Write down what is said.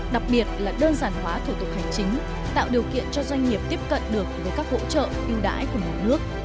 đặc biệt là đơn giản hóa thủ tục hành chính tạo điều kiện cho doanh nghiệp tiếp cận được với các hỗ trợ ưu đãi của một nước